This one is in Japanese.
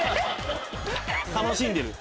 楽しんでる。